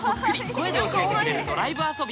声で教えてくれるドライブ遊び。